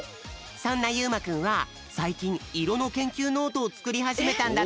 そんなゆうまくんはさいきんいろのけんきゅうノートをつくりはじめたんだって。